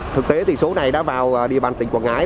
thực tế thì số này đã vào địa bàn tỉnh quảng ngãi